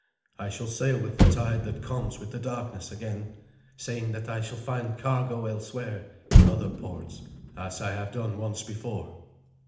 I shall sail with the tide that comes with the darkness again, saying that I shall find cargo elsewhere in other ports, as I have done once before."